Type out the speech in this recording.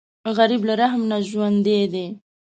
غریب له رحم نه ژوندی دی